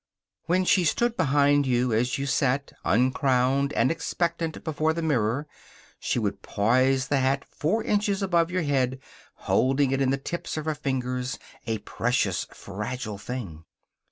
When she stood behind you as you sat, uncrowned and expectant before the mirror, she would poise the hat four inches above your head, holding it in the tips of her fingers, a precious, fragile thing.